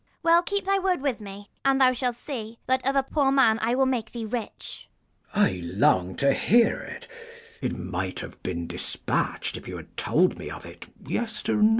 TO Ragan. Well, keep thy word with me, and thou shall see, That of a poor man I will make thee rich. Mess. I long to hear it, it might have been dispatch'd If you had told me of it yesternight. Ragan.